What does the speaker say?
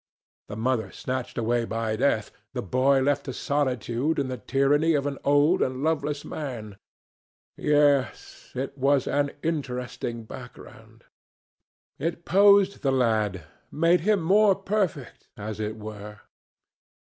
The mother snatched away by death, the boy left to solitude and the tyranny of an old and loveless man. Yes; it was an interesting background. It posed the lad, made him more perfect, as it were.